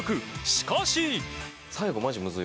しかし。